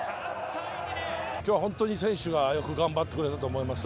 今日はホントに選手がよく頑張ってくれたと思います。